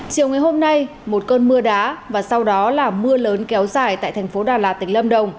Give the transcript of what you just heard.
chiều ngày hôm nay một cơn mưa đá và sau đó là mưa lớn kéo dài tại thành phố đà lạt tỉnh lâm đồng